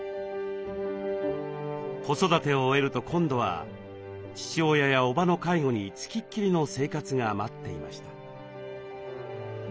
子育てを終えると今度は父親やおばの介護に付きっきりの生活が待っていました。